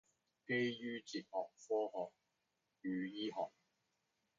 基於哲學、科學與醫學